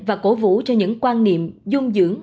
và cổ vũ cho những quan niệm dung dưỡng